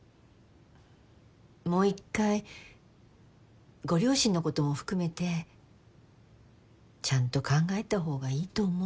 もう一回ご両親のことも含めてちゃんと考えた方がいいと思う。